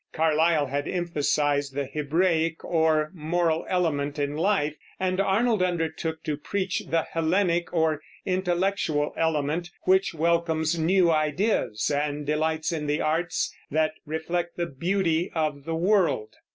Carlyle had emphasized the Hebraic or moral element in life, and Arnold undertook to preach the Hellenic or intellectual element, which welcomes new ideas, and delights in the arts that reflect the beauty of the world.